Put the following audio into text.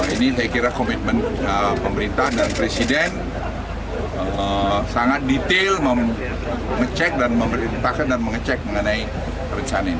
ini saya kira komitmen pemerintah dan presiden sangat detail mengecek dan memerintahkan dan mengecek mengenai perencanaan ini